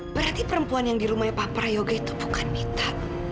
berarti perempuan yang di rumahnya papa rayoga itu bukan mita